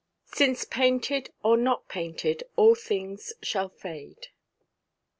'SINCE PAINTED OR NOT PAINTED ALL SHALL FADE.'